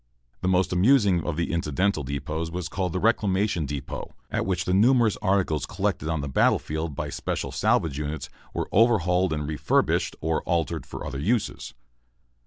] The most amusing of the incidental depots was called the Reclamation Depot, at which the numerous articles collected on the battle field by special salvage units were overhauled and refurbished, or altered to other uses.